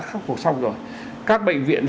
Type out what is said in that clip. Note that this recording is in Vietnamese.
khắc phục xong rồi